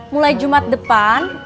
mulai jumat depan